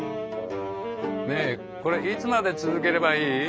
ねえこれいつまで続ければいい？